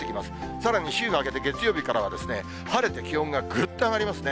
さらに週が明けて月曜日からは、晴れて気温がぐっと上がりますね。